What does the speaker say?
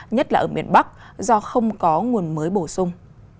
nhất là ở miền bắc do không có nguồn mới bổ sung